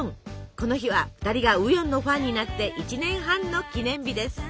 この日は２人がウヨンのファンになって１年半の記念日です。